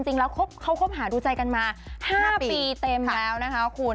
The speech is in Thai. จริงแล้วเขาคบหาดูใจกันมา๕ปีเต็มแล้วนะคะคุณ